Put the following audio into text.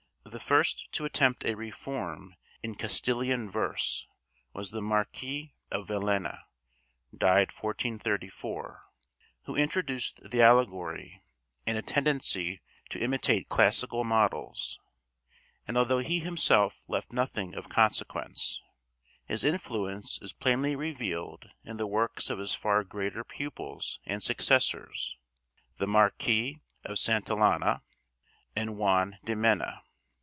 The first to attempt a reform in Castilian verse was the Marquis of Villena (died 1434), who introduced the allegory and a tendency to imitate classical models; and although he himself left nothing of consequence, his influence is plainly revealed in the works of his far greater pupils and successors, the Marquis of Santillana and Juan de Mena.